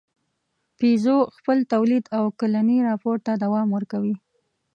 پيژو خپل تولید او کلني راپور ته دوام ورکوي.